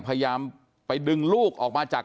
พยายามไปดึงลูกออกมาจาก